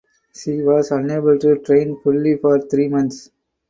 She was unable to train fully for three months.